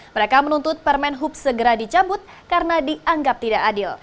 mereka menuntut permen hub segera dicabut karena dianggap tidak adil